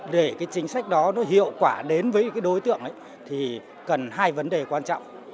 để chính sách đó hiệu quả đến với đối tượng cần hai vấn đề quan trọng